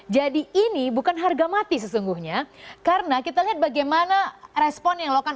jadi ini bukan harga mati sesungguhnya karena kita lihat bagaimana respon yang dilakukan